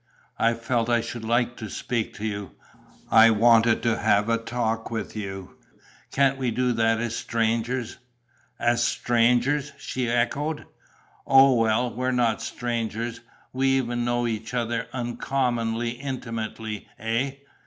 "I felt I should like to speak to you.... I wanted to have a talk with you. Can't we do that as strangers?" "As strangers?" she echoed. "Oh, well, we're not strangers: we even know each other uncommonly intimately, eh?...